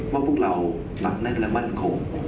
พวกเราหนักแน่นและมั่นคง